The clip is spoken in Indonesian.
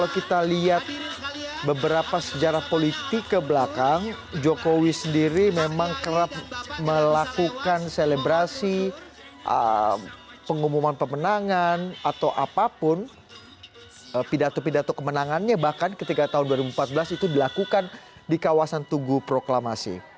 kita akan menyaksikan bagaimana apa selebrasi yang akan dilakukan apa acara di sana